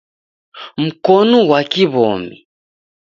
Mkonu ghwa kiw'omi